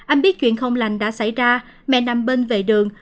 anh biết chuyện không lành đã xảy ra mẹ nằm bên vệ đường